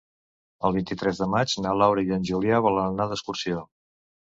El vint-i-tres de maig na Laura i en Julià volen anar d'excursió.